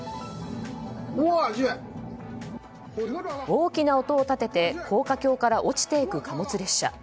大きな音を立てて高架橋から落ちていく貨物列車。